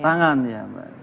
tangan ya mbak